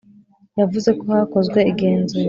yavuze ko hakozwe igenzura